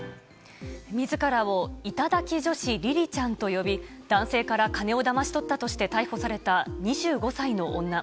みずからを頂き女子りりちゃんと呼び、男性から金をだまし取ったとして逮捕された２５歳の女。